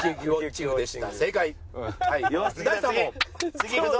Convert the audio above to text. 次いくぞ！